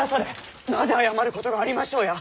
なぜ謝ることがありましょうや！